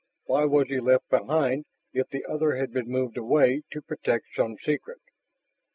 Why was he left behind if the other had been moved away to protect some secret?